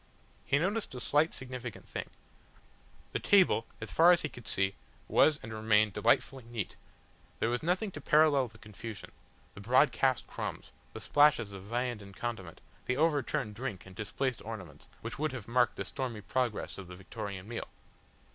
He noted a slight significant thing; the table, as far as he could see, was and remained delightfully neat, there was nothing to parallel the confusion, the broadcast crumbs, the splashes of viand and condiment, the overturned drink and displaced ornaments, which would have marked the stormy progress of the Victorian meal.